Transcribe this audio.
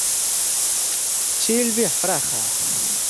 Silvia Fraga.